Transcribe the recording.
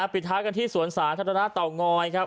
ปิดท้านกันที่สวนศาทัตรนาเตางอยครับ